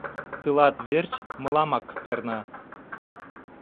Тылат верч мыламак перна